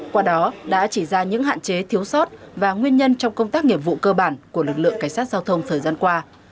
qua đó đã chỉ ra những hạn chế thiếu sót và nguyên nhân trong công tác nghiệp vụ cơ bản của lực lượng cảnh sát giao thông thời gian qua